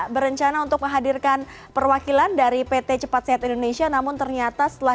berencana untuk menghadirkan perwakilan dari pt cepat sehat indonesia namun ternyata setelah